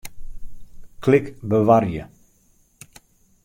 Klik Bewarje.